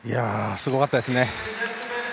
すごかったですね。